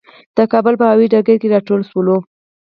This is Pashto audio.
د کابل په هوايي ډګر کې راټول شولو.